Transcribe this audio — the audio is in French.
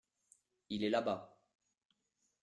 Il est là-bas.